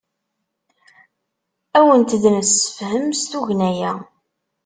Ad awent-d-nessefhem s tugna-a.